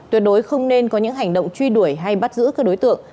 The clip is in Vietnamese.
tuyệt đối không nên có những hành động truy đuổi hay bắt giữ các đối tượng